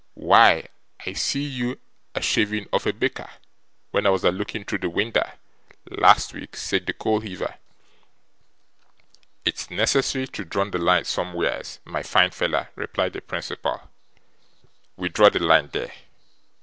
'Why, I see you a shaving of a baker, when I was a looking through the winder, last week,' said the coal heaver. 'It's necessary to draw the line somewheres, my fine feller,' replied the principal. 'We draw the line there.